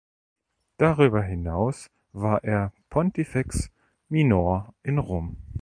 Darüber hinaus war er Pontifex minor in Rom.